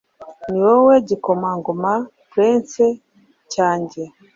Niwowe gikomangoma (prince) cyanjye